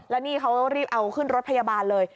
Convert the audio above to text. แล้วนี่เขารีบเอาขึ้นรถพยาบาลเลย